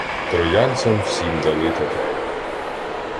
Троянцям всім дали тетері